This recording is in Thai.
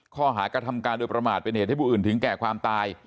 กระทำการโดยประมาทเป็นเหตุให้ผู้อื่นถึงแก่ความตาย